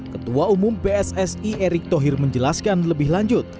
ketua umum pssi erick thohir menjelaskan lebih lanjut